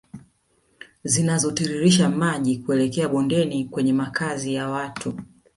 Zinazotiririsha maji kuelekea bondeni kwenye makazi ya watu